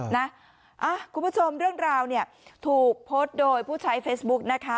คุณผู้ชมเรื่องราวเนี่ยถูกโพสต์โดยผู้ใช้เฟซบุ๊กนะคะ